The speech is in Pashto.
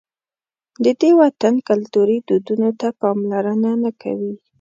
د دې وطن کلتوري دودونو ته پاملرنه نه کوي.